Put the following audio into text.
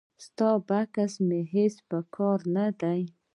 ستا بکس مې هیڅ په کار نه دی.